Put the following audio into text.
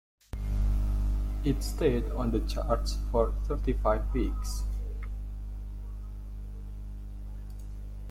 It stayed on the charts for thirty-five weeks.